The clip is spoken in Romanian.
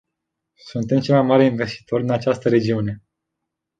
Suntem cel mai mare investitor din această regiune.